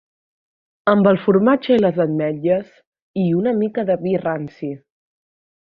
Amb el formatge i les ametlles, i una mica de vi ranci